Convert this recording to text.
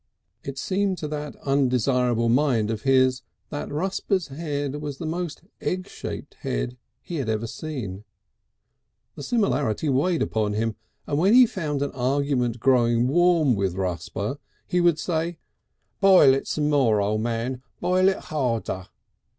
It seemed to that undesirable mind of his that Rusper's head was the most egg shaped head he had ever seen; the similarity weighed upon him; and when he found an argument growing warm with Rusper he would say: "Boil it some more, O' Man; boil it harder!"